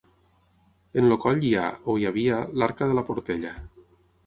En el coll hi ha, o hi havia, l'Arca de la Portella.